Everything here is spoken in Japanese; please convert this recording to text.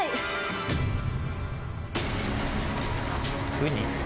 ウニ？